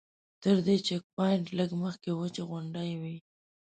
تر دې چیک پواینټ لږ مخکې وچې غونډۍ وې.